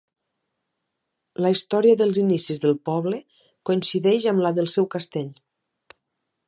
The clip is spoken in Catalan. La història dels inicis del poble coincideix amb la del seu castell.